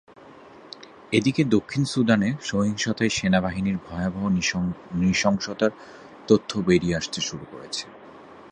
এদিকে দক্ষিণ সুদানে সহিংসতায় সেনাবাহিনীর ভয়াবহ নৃশংসতার তথ্য বেরিয়ে আসতে শুরু করেছে।